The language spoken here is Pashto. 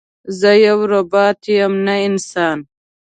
زه یو روباټ یم نه انسان